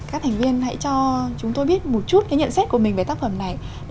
các thành viên hãy cho chúng tôi biết một chút cái nhận xét của mình về tác phẩm này